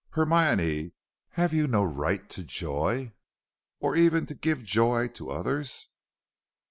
"Hermione, have you no right to joy, or even to give joy to others?"